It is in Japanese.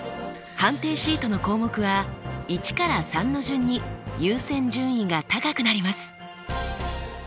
判定シートの項目は１から３の順に優先順位が高くなります。